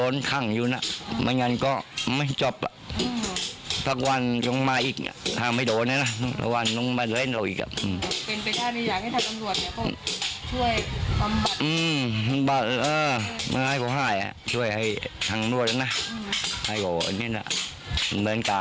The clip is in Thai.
เงินการลิกทุกไปแหละ